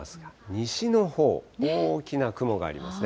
西のほう、大きな雲がありますね。